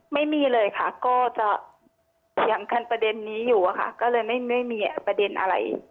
ไม่มีเลยค่ะก็จะเถียงกันประเด็นนี้อยู่อะค่ะก็เลยไม่มีประเด็นอะไร